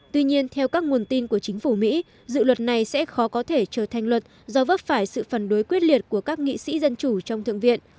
tuy nhiên theo các nguồn tin của chính phủ mỹ dự luật này sẽ khó có thể trở thành luật do vấp phải sự phản đối quyết liệt của các nghị sĩ dân chủ trong thượng viện